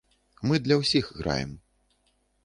Мы для ўсіх граем.